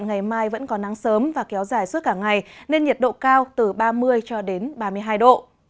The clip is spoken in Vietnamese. ngày mai vẫn có nắng sớm và kéo dài suốt cả ngày nên nhiệt độ cao từ ba mươi cho đến ba mươi hai độ